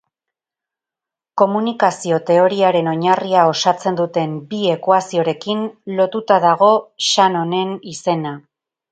Komunikazio-teoriaren oinarria osatzen duten bi ekuaziorekin lotuta dago Shannon-en izena.